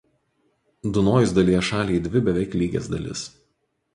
Dunojus dalija šalį į dvi beveik lygias dalis.